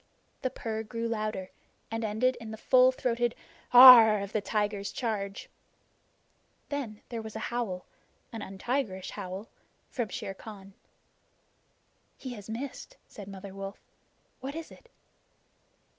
The purr grew louder, and ended in the full throated "Aaarh!" of the tiger's charge. Then there was a howl an untigerish howl from Shere Khan. "He has missed," said Mother Wolf. "What is it?"